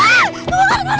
tunggu ada air air